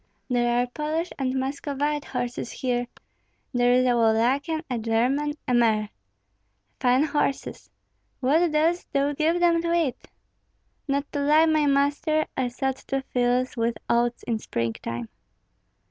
There are Polish and Muscovite horses here, there is a Wallachian, a German, a mare. Fine horses! What dost thou give them to eat?" "Not to lie, my master, I sowed two fields with oats in springtime."